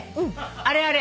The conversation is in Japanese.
あれあれ。